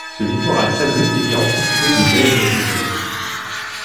Ce littoral sableux était entrecoupé de baies et de rivières.